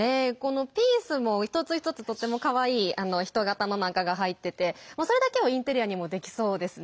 ピースも一つ一つとってもかわいい人形のなんかが入っててそれだけをインテリアにもできそうですね。